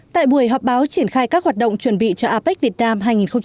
tại buổi họp báo triển khai các hoạt động chuẩn bị cho apec việt nam hai nghìn hai mươi